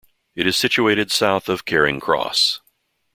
It is situated south of Charing Cross.